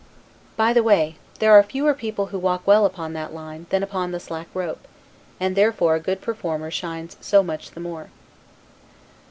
By the way, there are fewer people who walk well upon that line, than upon the slack rope; and therefore a good performer shines so much the more.